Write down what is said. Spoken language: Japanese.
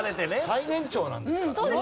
最年長なんですから。